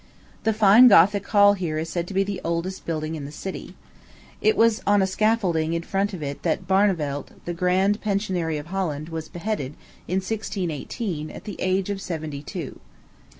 The fine Gothic Hall here is said to be the oldest building in the city. It was on a scaffolding in front of it that Barneveldt, the grand pensionary of Holland, was beheaded, in 1618, at the age of seventy two.